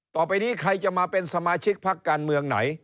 ต่อไปนี้ใครจะมาเป็นสมาชิกพักการเมืองไหน